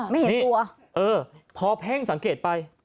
ไม่เห็นตัวเออพอเพ่งสังเกตไป